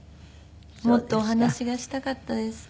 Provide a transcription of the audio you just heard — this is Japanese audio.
もっとお話がしたかったです。